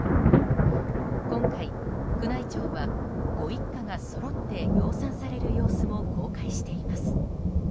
今回、宮内庁はご一家がそろって養蚕される様子も公開しています。